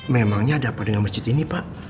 memangnya ada apa dengan masjid ini pak